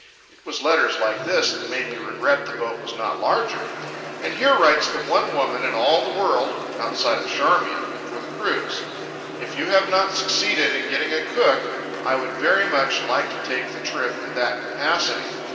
—It was letters like this that made me regret the boat was not larger. And here writes the one woman in all the world—outside of Charmian—for the cruise: "If you have not succeeded in getting a cook I would like very much to take the trip in that capacity.